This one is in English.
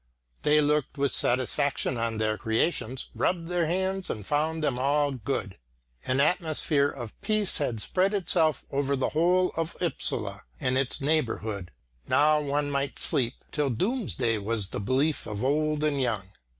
They looked with satisfaction on their creations, rubbed their hands, and found them all good. An atmosphere of peace had spread itself over the whole of Upsala and its neighbourhood; now one might sleep till Doomsday was the belief of old and young.